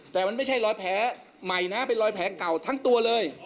แต่มันไม่ใช่รอยแผลใหม่นะเป็นรอยแผลเก่าทั้งตัวเลย